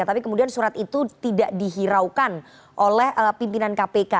tapi kemudian surat itu tidak dihiraukan oleh pimpinan kpk